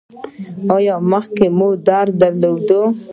ایا مخکې مو دا درد درلود؟